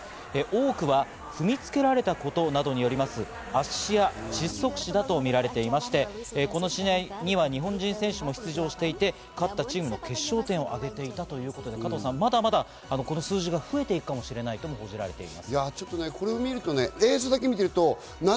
多くは踏みつけられたことなどによります、圧死や窒息死だとみられてまして、この試合には日本人選手も出場していて、勝ったチームの決勝点を挙げていたということで、まだまだこの数字が増えていくかもしれないとみられています。